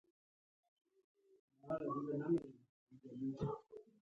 پروفېسر راز محمد راز د پښتو ژبې يو وتلی ناول ليکوال او فيلسوف وو